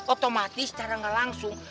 otomatis secara gak langsung